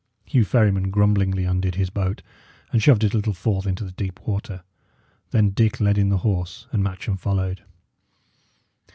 Hugh Ferryman grumblingly undid his boat, and shoved it a little forth into the deep water. Then Dick led in the horse, and Matcham followed.